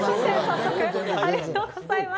ありがとうございます！